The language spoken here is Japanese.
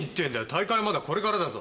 大会はまだこれからだぞ。